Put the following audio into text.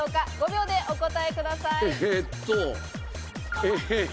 ５秒でお答えください。